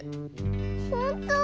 ほんと？